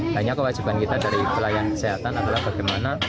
hanya kewajiban kita dari pelayanan kesehatan adalah bagaimana